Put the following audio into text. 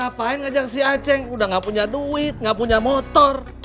ya ngapain ngajak si acing udah gak punya duit gak punya motor